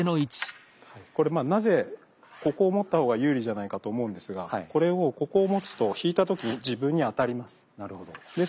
これまあなぜここを持ったほうが有利じゃないかと思うんですがこれをここを持つと引いた時自分に当たります。